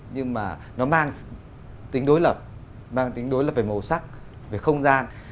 nhưng mà nó mang tính đối lập mang tính đối lập về màu sắc về không gian